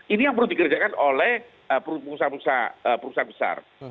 ini yang perlu dikerjakan oleh perusahaan besar